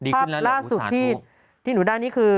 ภาพล่าสุทธิทธิ์ที่หนูได้นี่คือ